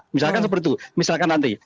misalkan seperti itu misalkan nanti